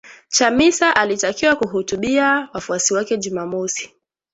Chamisa alitakiwa kuhutubia wafuasi wake Jumamosi